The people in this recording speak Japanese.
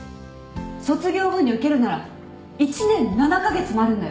卒業後に受けるなら１年７カ月もあるんだよ。